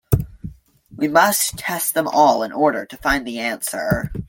We must test them all in order to find the answer.